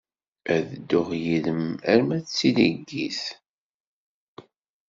Ad dduɣ yid-m arma d tileggit.